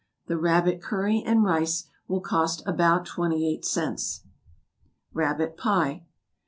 The RABBIT CURRY AND RICE will cost about twenty eight cents. =Rabbit Pie.